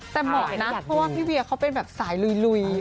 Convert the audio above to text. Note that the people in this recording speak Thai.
แต่เหมาะนะเพราะว่าพี่เวียเขาเป็นแบบสายลุย